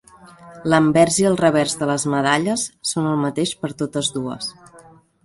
L'anvers i el revers de les medalles són el mateix per totes dues.